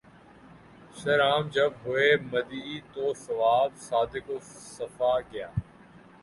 سر عام جب ہوئے مدعی تو ثواب صدق و صفا گیا